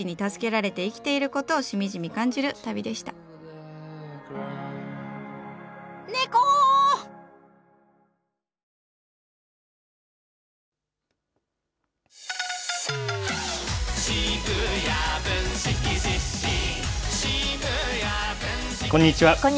こんにちは。